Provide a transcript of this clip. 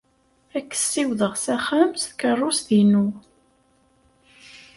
Ad k-ssiwḍeɣ s axxam s tkeṛṛust-inu.